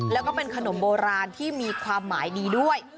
แล้วก็เป็นขนมโบราณที่มีความหมายดีด้วย